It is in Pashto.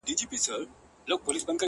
خندا چي په ظاهره ده ژړا ده په وجود کي!!